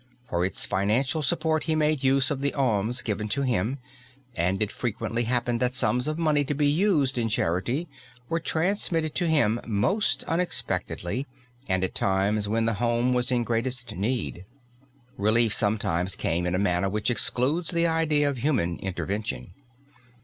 For its financial support he made use of the alms given to him, and it frequently happened that sums of money to be used in charity were transmitted to him most unexpectedly and at times when the home was in greatest need. Relief sometimes came in a manner which excludes the idea of human intervention.